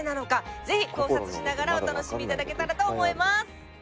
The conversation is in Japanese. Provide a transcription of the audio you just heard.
ぜひ考察しながらお楽しみいただけたらと思います。